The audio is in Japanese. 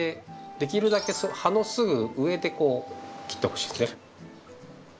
できるだけ葉のすぐ上でこう切ってほしいですね。